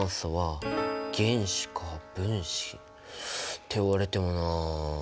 って言われてもな。